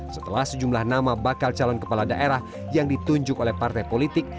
setelah sejumlah nama bakal calon kepala daerah yang ditunjuk oleh partai politik